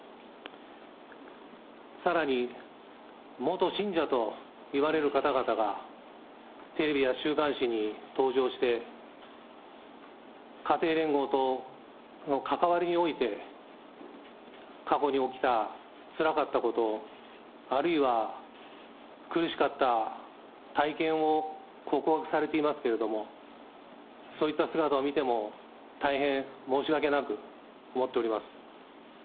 さらに、元信者といわれる方々が、テレビや週刊誌に登場して、家庭連合との関わりにおいて、過去に起きたつらかったこと、あるいは苦しかった体験を告白されていますけれども、そういった姿を見ても、大変申し訳なく思っております。